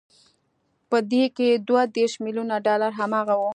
په دې کې دوه دېرش ميليونه ډالر هماغه وو